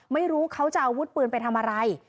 ไม่รู้เขาจะเอาอาวุธปืนไปทำอะไร